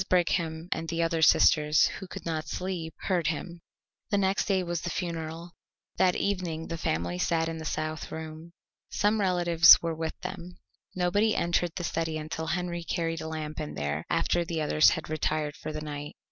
Brigham and the other sisters, who could not sleep, heard him. The next day was the funeral. That evening the family sat in the south room. Some relatives were with them. Nobody entered the study until Henry carried a lamp in there after the others had retired for the night.